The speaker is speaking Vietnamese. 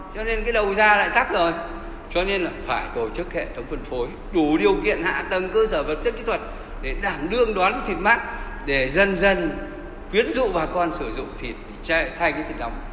cho nên cái đầu da lại tắt rồi cho nên là phải tổ chức hệ thống phân phối đủ điều kiện hạ tầng cơ sở vật chất kỹ thuật để đảng đương đoán thịt mát để dân dân quyến rụ bà con sử dụng thịt thay cái thịt đóng